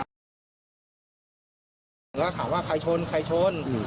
ผมก็ถามว่าใครชนใครชน